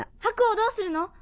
ハクをどうするの？